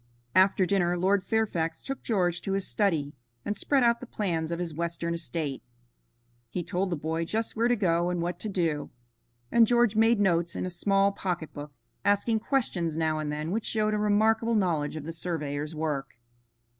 After dinner Lord Fairfax took George to his study, and spread out the plans of his western estate. He told the boy just where to go and what to do, and George made notes in a small pocketbook, asking questions now and then which showed a remarkable knowledge of the surveyor's work.